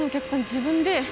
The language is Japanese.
自分で。